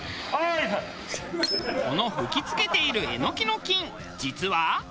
この吹き付けているエノキの菌実は。